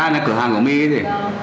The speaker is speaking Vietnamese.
ra nè cửa hàng của my ấy gì